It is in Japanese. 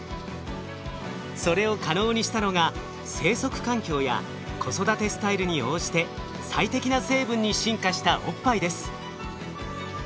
それを可能にしたのが生息環境や子育てスタイルに応じて最適な成分に進化したおっぱいです。